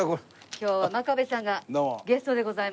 今日は真壁さんがゲストでございます。